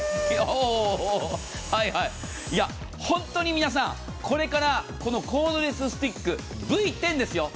本当に皆さん、これからコードレススティックＶ１０ですよ。